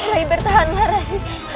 ayu bertahanlah rai